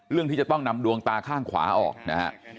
ที่จะต้องนำดวงตาข้างขวาออกนะฮะ